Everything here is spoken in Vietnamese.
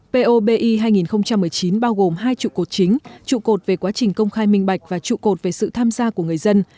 po bi hai nghìn một mươi chín bao gồm hai trụ cột chính trụ cột về quá trình công khai minh bạch và trụ cột về sự tham gia của người dân